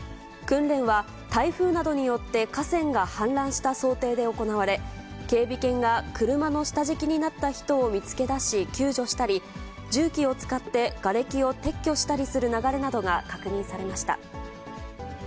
訓練は、台風などによって河川が氾濫した想定で行われ、警備犬が車の下敷きになった人を見つけだし救助したり、重機を使ってがれきを撤去したりする流れなどが確認されました。